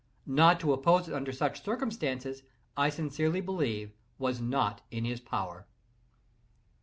Not to oppose it under such circumstances, I sincerely believe, was not in his power.